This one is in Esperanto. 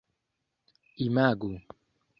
imagu